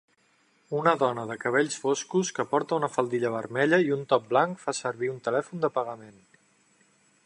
Una dona de cabells foscos que porta una faldilla vermella i un top blanc fa servir un telèfon de pagament.